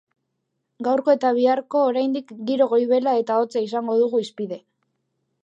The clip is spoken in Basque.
Gaurko eta biharko oraindik giro goibela eta hotza izango dugu hizpide.